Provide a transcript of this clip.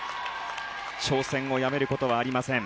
挑戦をやめることはありません